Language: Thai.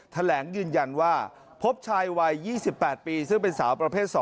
แถลงยืนยันว่าพบชายวัย๒๘ปีซึ่งเป็นสาวประเภท๒